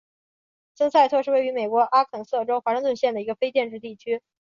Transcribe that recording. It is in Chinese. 森塞特是位于美国阿肯色州华盛顿县的一个非建制地区。